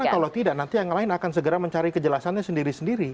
karena kalau tidak nanti yang lain akan segera mencari kejelasannya sendiri sendiri